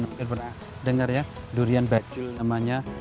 saya pernah dengar ya durian bajul namanya